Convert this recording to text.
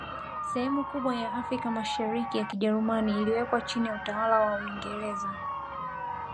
Sehemu kubwa ya Afrika ya Mashariki ya Kijerumani iliwekwa chini ya utawala wa Uingereza